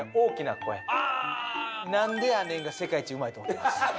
「なんでやねん」が世界一うまいと思ってます。